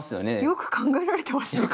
よく考えられてますよね。